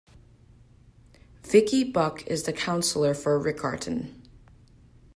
Vicki Buck is the Councillor for Riccarton.